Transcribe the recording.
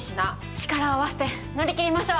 力を合わせて乗り切りましょう！